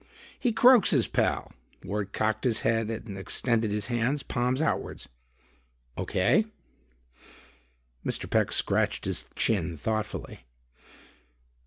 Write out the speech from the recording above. He croaks his pal." Ward cocked his head and extended his hands, palms outward. "Okay?" Mr. Peck scratched his chin thoughtfully.